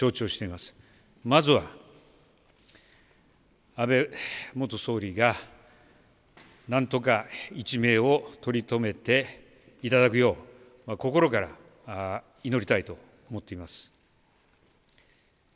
まずは、安倍元総理が何とか一命をとりとめていただくよう心から祈りたいと思っております。